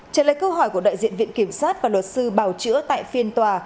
trả lời câu hỏi của đại diện viện kiểm sát và luật sư bào chữa tại phiên tòa